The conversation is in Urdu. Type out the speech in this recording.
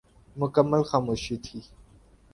مکمل خاموشی تھی ۔